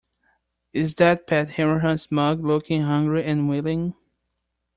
Is that Pat Hanrahan's mug looking hungry and willing.